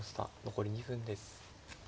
残り２分です。